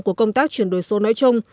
của công tác chuyển đổi số nói chung